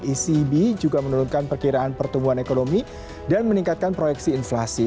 ecb juga menurunkan perkiraan pertumbuhan ekonomi dan meningkatkan proyeksi inflasi